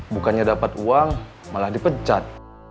bukannya dapat uang malah dipecat